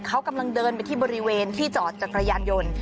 เขากำลังเดินไปที่บริเวณที่จอดจักรยานยนต์